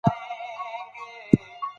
ایا تاسي غواړئ چې خبریال جوړ شئ؟